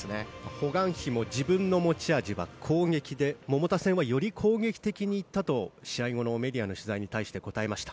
ホ・グァンヒも自分の持ち味は攻撃で桃田戦はより攻撃的に行ったと試合後のメディアの取材に対して答えました。